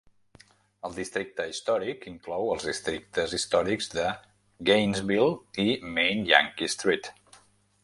El districte històric inclou els districtes històrics de Gainesville i Main-Yankee Street.